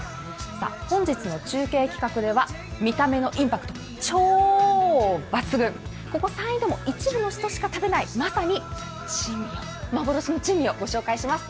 本日の中継企画では、見た目のインパクト、超抜群、ここ山陰でも一部の人しか食べないまさに珍味、幻の珍味をご紹介します。